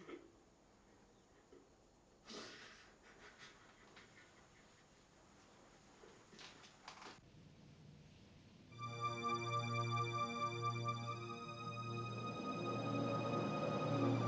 ini kantor polisi bukan kontor binatang